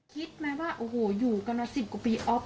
คิดไหมว่าโอ้โหอยู่กันมา๑๐กว่าปีอ๊อฟ